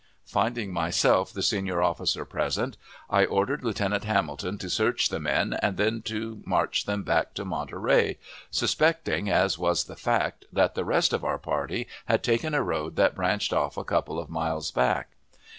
Finding myself the senior officer present, I ordered Lieutenant Hamilton to search the men and then to march them back to Monterey, suspecting, as was the fact, that the rest of our party had taken a road that branched off a couple of miles back.